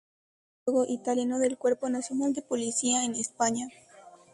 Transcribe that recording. Es el homólogo italiano del Cuerpo Nacional de Policía en España.